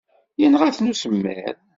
Yenɣa-ten usemmiḍ.